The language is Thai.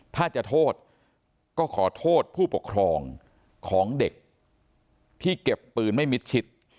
ถ้าจะโทษก็ขอโทษผู้ปกครองของเด็กที่เก็บปืนไม่มิดชิด